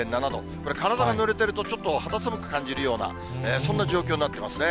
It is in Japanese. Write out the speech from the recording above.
これ、体がぬれているとちょっと肌寒く感じるような、そんな状況になっていますね。